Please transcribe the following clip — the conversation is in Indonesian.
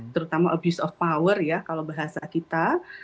terutama abuse of power ya kalau bahasa kita